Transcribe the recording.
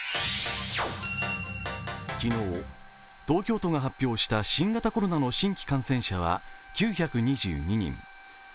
昨日、東京都が発表した新型コロナの新規感染者は９２２人。